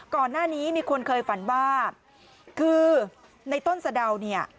ก่อนหน้านี้มีคนเคยฝันว่าคือในต้นสะดาวเนี่ย